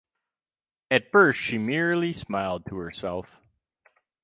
At first she merely smiled to herself.